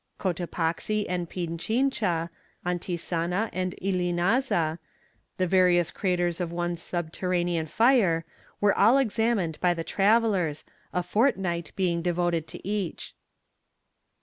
Cotopaxi and Pinchincha, Antisana and Illinaza, the various craters of one subterranean fire, were all examined by the travellers, a fortnight being devoted to each.